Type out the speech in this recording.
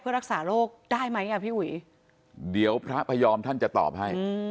เพื่อรักษาโรคได้ไหมอ่ะพี่หวีเดี๋ยวพระพยอมท่านจะตอบให้อืม